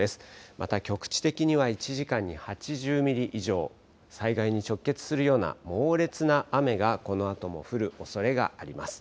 また局地的には１時間に８０ミリ以上、災害に直結するような猛烈な雨が、このあとも降るおそれがあります。